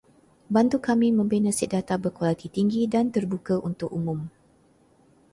Bantu kami membina set data berkualiti tinggi dan terbuka untuk umum